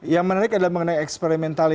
yang menarik adalah mengenai eksperimentari